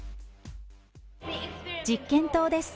実験棟です。